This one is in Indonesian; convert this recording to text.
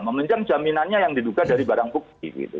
meminjam jaminannya yang diduga dari barang bukti gitu